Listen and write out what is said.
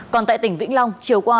còn tại tỉnh vĩnh long chiều qua